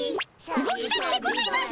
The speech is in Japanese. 動き出してございます！